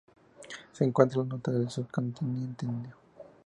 Se encuentra al norte del subcontinente indio.